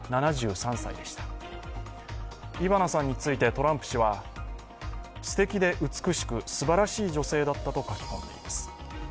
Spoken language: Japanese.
７３歳でした、イヴァナさんについてトランプ氏はすてきで美しく、すばらしい女性だったと書き込んでいます。